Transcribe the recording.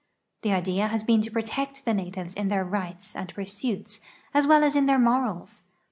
The idea has been to protect the natives in their rights and pur suits as well as in their morals.